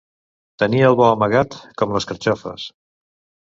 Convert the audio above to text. Tenir el bo amagat, com les carxofes.